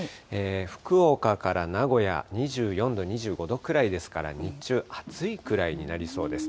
福岡から名古屋、２４度、２５度くらいですから、日中、暑いくらいになりそうです。